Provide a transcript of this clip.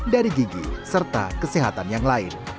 dari gigi serta kesehatan yang lain